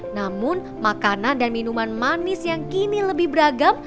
namun makanan dan minuman manis yang kini lebih beragam